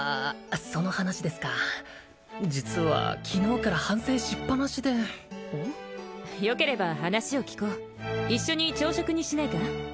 その話ですか実は昨日から反省しっぱなしでよければ話を聞こう一緒に朝食にしないか？